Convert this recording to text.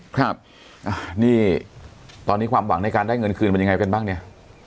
ครับนี่ตอนนี้ความหวังในการได้เงินคืนมันยังไงกันบ้างเนี่ย